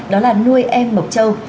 đó là nuôi em mộc châu